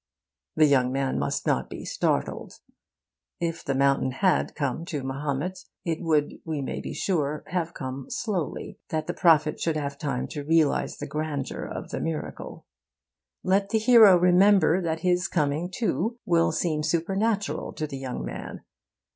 The young man must not be startled. If the mountain had come to Mahomet, it would, we may be sure, have come slowly, that the prophet should have time to realise the grandeur of the miracle. Let the hero remember that his coming, too, will seem supernatural to the young man.